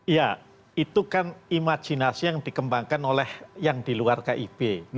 ya itu kan imajinasi yang dikembangkan oleh yang di luar kib